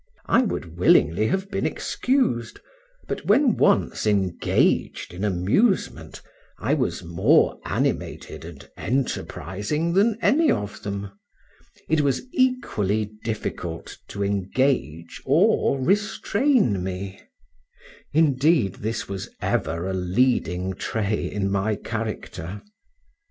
I would willingly have been excused, but when once engaged in amusement, I was more animated and enterprising than any of them; it was equally difficult to engage or restrain me; indeed, this was ever a leading trait in my character.